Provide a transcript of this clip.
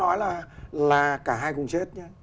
người ta là cả hai cùng chết